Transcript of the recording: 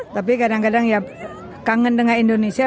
tapi kadang kadang ya kangen dengan indonesia